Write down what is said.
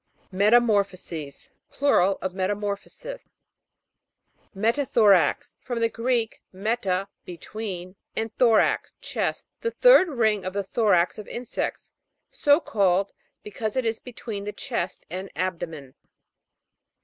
METAMOR'PHOSES. Plural of Meta morphosis. ME'TATHORAX. From the Greek, meta, between, and thorax, chest. The third ring of the thorax of insects, so called, because it is be tween the chest and abdomen.